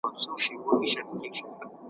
لمره نن تم سه! `